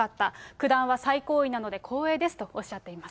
九段は最高位なので、光栄ですとおっしゃっています。